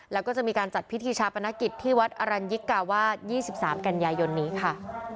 แล้วก็จะมีการจัดพิธีชาปนกิจที่วัดอรัญยิกาวาส๒๓กันยายนนี้ค่ะ